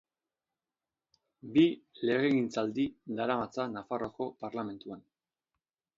Bi legegintzaldi daramatza Nafarroako Parlamentuan.